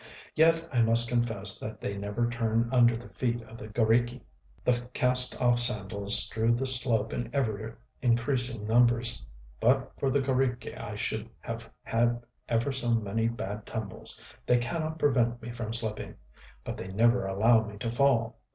Yet I must confess that they never turn under the feet of the g┼Źriki.... The cast off sandals strew the slope in ever increasing numbers.... But for the g┼Źriki I should have had ever so many bad tumbles: they cannot prevent me from slipping; but they never allow me to fall.